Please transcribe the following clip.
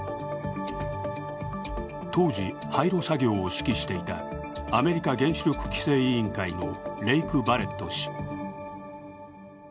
当時、廃炉作業を指揮していたアメリカ原子力規制委員会のレイク・バレット氏。